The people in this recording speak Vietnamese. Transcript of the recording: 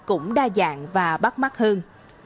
cũng đa dạng và bắt mắt hơn